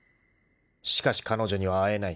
［しかし彼女には会えない］